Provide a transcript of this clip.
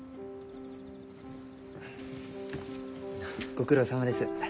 ご苦労さまです。